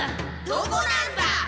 どこなんだ！